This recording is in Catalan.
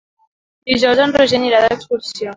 Dijous en Roger anirà d'excursió.